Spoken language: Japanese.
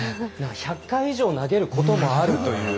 １００回以上投げることもあるという。